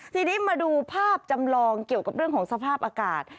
ทีนี้มาดูภาพจำลองเกี่ยวกับเรื่องของสภาพอากาศ